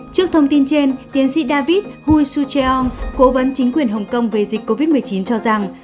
trước thông tin trên tiến sĩ david hui suu treom cố vấn chính quyền hồng kông về dịch covid một mươi chín cho rằng